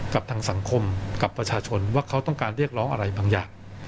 กับทางสังคมกับประชาชนว่าเขาต้องการเรียกร้องอะไรบางอย่าง